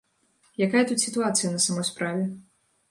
Якая тут сітуацыя на самой справе?